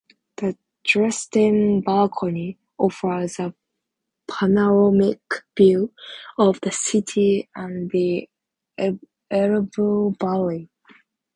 The "Dresden balcony" offers a panoramic view of the city and the Elbe valley.